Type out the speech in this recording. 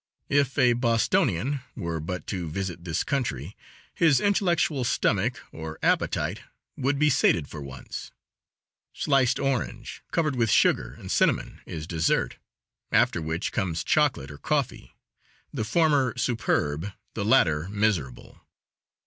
If a Bostonian were but to visit this country his intellectual stomach, or appetite, would be sated for once. Sliced orange, covered with sugar and cinnamon, is dessert, after which comes chocolate or coffee; the former superb, the latter miserable.